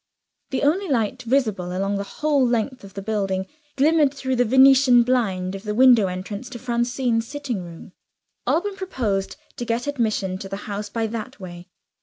The only light visible, along the whole length of the building, glimmered through the Venetian blind of the window entrance to Francine's sitting room. Alban proposed to get admission to the house by that way.